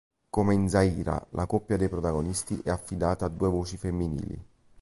Come in "Zaira", la coppia dei protagonisti è affidata a due voci femminili.